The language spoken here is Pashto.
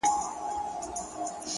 • داده ميني ښار وچاته څه وركوي،